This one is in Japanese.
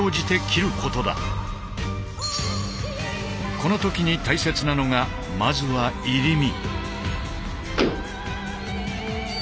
この時に大切なのがまずは「入身」。